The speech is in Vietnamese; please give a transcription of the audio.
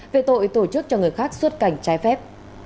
về tội tổ chức cho người khác xuất cảnh trái phép